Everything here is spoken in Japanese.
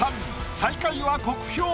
最下位は酷評。